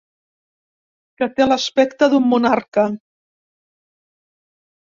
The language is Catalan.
Que té l'aspecte d'un monarca.